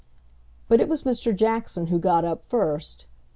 But it was Mr. Jackson who got up first.